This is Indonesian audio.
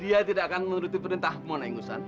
dia tidak akan menuruti perintahmu naing nusan